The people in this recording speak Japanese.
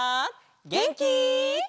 げんき？